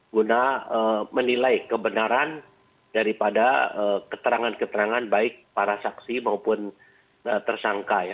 guna menilai kebenaran daripada keterangan keterangan baik para saksi maupun tersangka ya